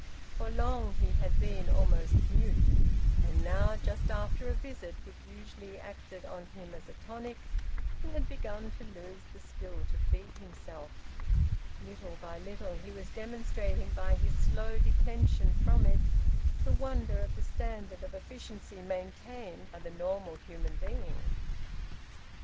For long he had been almost mute. And now, just after a visit which usually acted upon him as a tonic, he had begun to lose the skill to feed himself. Little by little he was demonstrating, by his slow declension from it, the wonder of the standard of efficiency maintained by the normal human being.